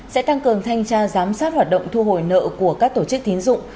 sẽ tăng cường thanh tra giám sát hoạt động thu hồi nợ của các tổ chức tín dụng